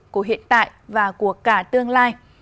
của hiện tại và của cả tương lai